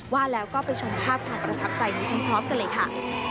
ว่าแล้วก็ไปชมภาพความประทับใจนี้พร้อมกันเลยค่ะ